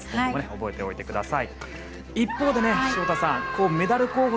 覚えておいてください。